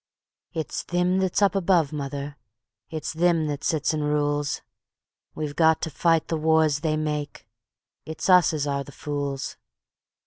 ..." "It's thim that's up above, mother, it's thim that sits an' rules; We've got to fight the wars they make, it's us as are the fools.